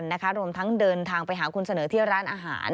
เหมือนกันนะคะรวมทั้งเดินทางไปหาคุณเสนอที่ร้านอาหาร